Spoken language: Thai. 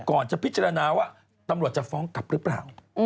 ก่อนจะพิจารณาว่าตำรวจจะฟ้องกลับหรือเปล่า